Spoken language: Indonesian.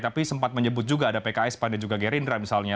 tapi sempat menyebut juga ada pki spandek juga gerindra misalnya